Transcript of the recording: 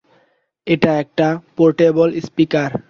এটা একটা portable speaker.